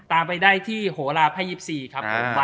ตามไปได้ที่โหลาพัย๒๔ครับผม